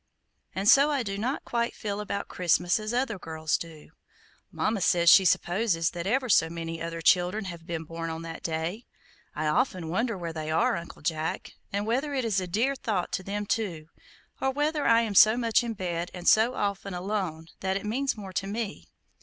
And so I do not quite feel about Christmas as other girls do. Mama says she supposes that ever so many other children have been born on that day. I often wonder where they are, Uncle Jack, and whether it is a dear thought to them, too, or whether I am so much in bed, and so often alone, that it means more to me.